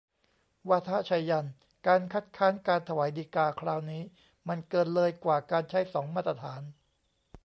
วาทะไชยันต์ : การคัดค้านการถวายฎีกาคราวนี้มันเกินเลยกว่าการใช้สองมาตรฐาน